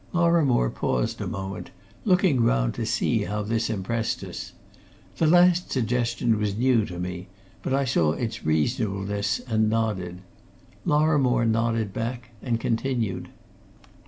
Lorrimore paused a moment, looking round to see how this impressed us. The last suggestion was new to me, but I saw its reasonableness and nodded. Lorrimore nodded back, and continued.